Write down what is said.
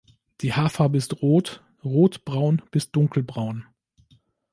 Die Haarfarbe ist rot, rotbraun bis dunkelbraun.